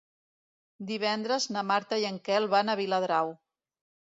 Divendres na Marta i en Quel van a Viladrau.